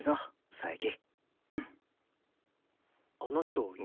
佐伯？